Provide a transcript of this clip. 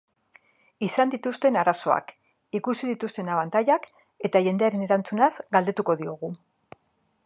Izan dituzten arazoak, ikusi dituzten abantailak eta jendearen erantzunaz galdetuko diogu.